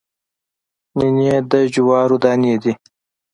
نینې د جوارو دانې دي